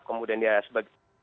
kemudian ya sebagian besar